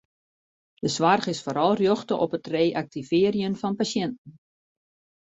De soarch is foaral rjochte op it reaktivearjen fan pasjinten.